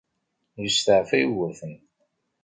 Yesteɛfa Yugurten.